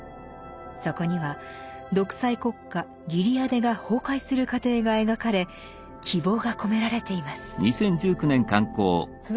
そこには独裁国家ギレアデが崩壊する過程が描かれ希望が込められています。